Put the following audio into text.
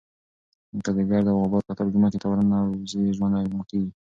که د ګرد او غبار کتل ځمکې ته ورننوزي، ژوند اغېزمن کېږي.